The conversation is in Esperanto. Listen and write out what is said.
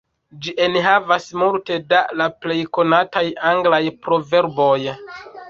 Ĝi enhavis multe da la plej konataj anglaj proverboj.